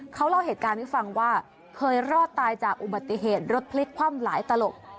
เขาเล่าเหตุการณ์ให้ฟังว่าเคยรอดตายจากอุบัติเหตุรถพลิกคว่ำหลายตลบ